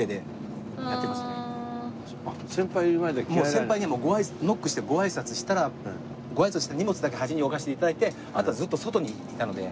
先輩にはノックしてごあいさつしたらごあいさつして荷物だけ端に置かせて頂いてあとはずっと外にいたので。